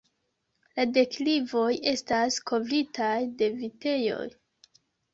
La deklivoj estas kovritaj de vitejoj.